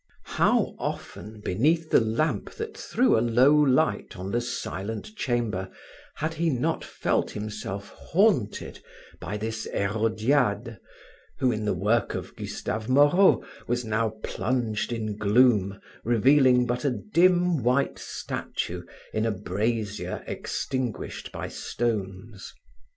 How often, beneath the lamp that threw a low light on the silent chamber, had he not felt himself haunted by this Herodiade who, in the work of Gustave Moreau, was now plunged in gloom revealing but a dim white statue in a brazier extinguished by stones.